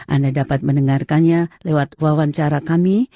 anda dapat mendengarkannya lewat wawancara kami